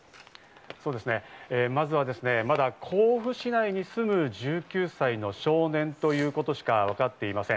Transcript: まずは、まだ甲府市に住む１９歳の少年ということしか分かっていません。